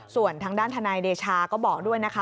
ส่วนทางด้านทนายเดชาก็บอกด้วยนะคะ